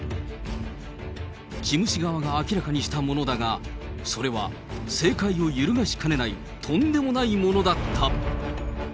キム氏側が明らかにしたものだが、それは政界を揺るがしかねないとんでもないものだった。